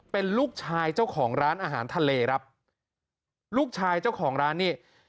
เป็นลูกชายเจ้าของร้านอาหารทะเลครับลูกชายเจ้าของร้านนี่